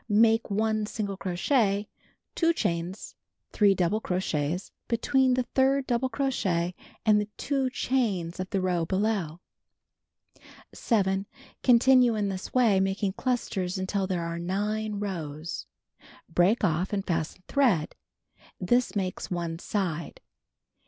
Make 1 single crochet, 2 chains, 3 double crochets between the third double crochet and the 2 chains of the row below. (See picture.) 7. Continue in this way, making clusters until there are 9 rows. Break off and fasten thread. This makes one side.